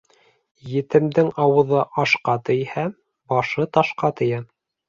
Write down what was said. Етемдең ауыҙы ашҡа тейһә, башы ташҡа тейә.